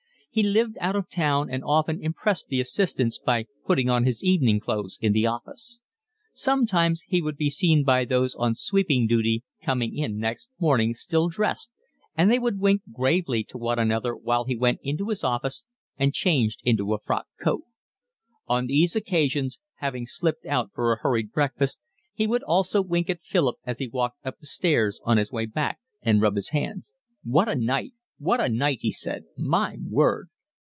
He lived out of town and often impressed the assistants by putting on his evening clothes in the office. Sometimes he would be seen by those on sweeping duty coming in next morning still dressed, and they would wink gravely to one another while he went into his office and changed into a frock coat. On these occasions, having slipped out for a hurried breakfast, he also would wink at Philip as he walked up the stairs on his way back and rub his hands. "What a night! What a night!" he said. "My word!"